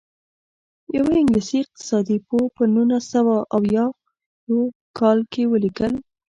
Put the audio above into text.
یوه انګلیسي اقتصاد پوه په نولس سوه اویاووه کال کې ولیکل.